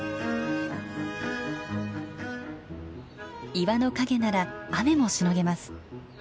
岩の陰なら雨もしのげます。